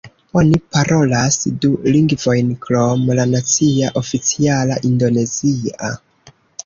Oni parolas du lingvojn krom la nacia oficiala indonezia.